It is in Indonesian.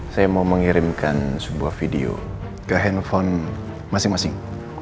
saya mau mengirimkan sebuah video ke handphone masing masing